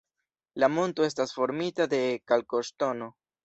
La monto estas formita de kalkoŝtono.